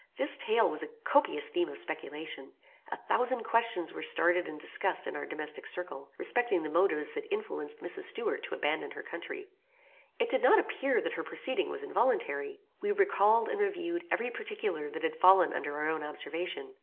This tale was a copious theme of speculation. A thousand questions were started and discussed in our domestic circle, respecting the motives that influenced Mrs. Stuart to abandon her country. It did not appear that her proceeding was involuntary. We recalled and reviewed every particular that had fallen under our own observation.